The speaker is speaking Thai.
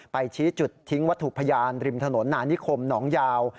ชี้จุดทิ้งวัตถุพยานริมถนนนานิคมหนองยาว